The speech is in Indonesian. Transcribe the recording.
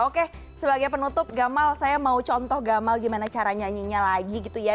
oke sebagai penutup gamal saya mau contoh gamal gimana cara nyanyinya lagi gitu ya